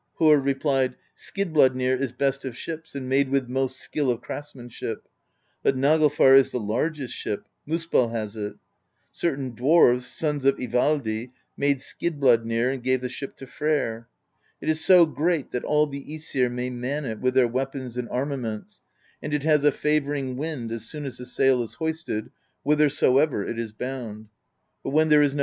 Harr replied: "Skidbladnir is best of ships and made with most skill of craftsmanship; but Naglfar is the largest ship ; Muspell has it. Certain dwarves, sons of I valdi, made Skidbladnir and gave the ship to Freyr. It is so great that all the iEsir may man it, with their weapons and ar maments, and it has a favoring wind as soon as the sail is hoisted, whithersoever it is bound; but ^yhen there J3 n^^ .